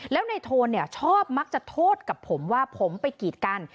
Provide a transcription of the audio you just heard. แล้วในโทนชอบมักจะโทษกับผมว่าผมไปกีดกัน